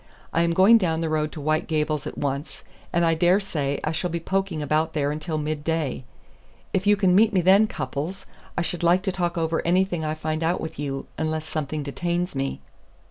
I am going down the road to White Gables at once, and I dare say I shall be poking about there until mid day. If you can meet me then, Cupples, I should like to talk over anything I find out with you, unless something detains me."